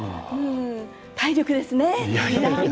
体力ですね。